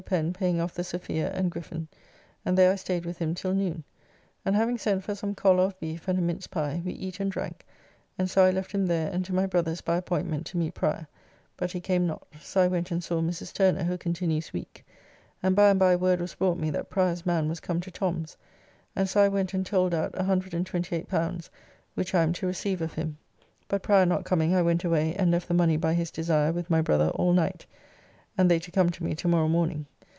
Pen paying off the Sophia and Griffen, and there I staid with him till noon, and having sent for some collar of beef and a mince pie, we eat and drank, and so I left him there and to my brother's by appointment to meet Prior, but he came not, so I went and saw Mrs. Turner who continues weak, and by and by word was brought me that Prior's man was come to Tom's, and so I went and told out L128 which I am to receive of him, but Prior not coming I went away and left the money by his desire with my brother all night, and they to come to me to morrow morning.